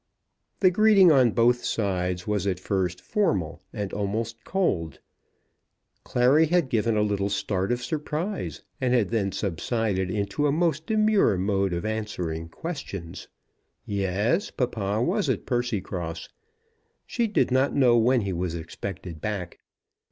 The greeting on both sides was at first formal and almost cold. Clary had given a little start of surprise, and had then subsided into a most demure mode of answering questions. Yes; papa was at Percycross. She did not know when he was expected back.